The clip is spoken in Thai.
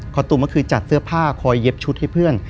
ตูมก็คือจัดเสื้อผ้าคอยเย็บชุดให้เพื่อน